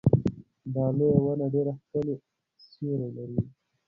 دا لویه ونه ډېر ښکلی سیوری لري.